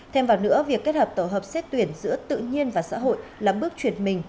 thêm vào nữa việc kết hợp tổ hợp xét tuyển giữa tự nhiên và xã hội là bước chuyển mình